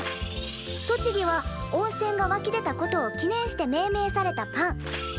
栃木は温泉がわき出たことを記念して命名されたパン。